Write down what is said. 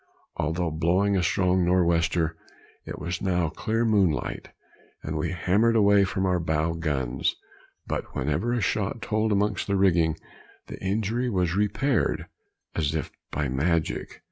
Although blowing a strong north wester, it was now clear moonlight, and we hammered away from our bow guns, but whenever a shot told amongst the rigging, the injury was repaired as if by magic.